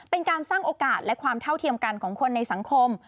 เป็นการสร้างโอกาสและความเท่าเทียมกันของคนในสังคม